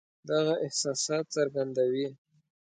دغه احساسات څرګندوي.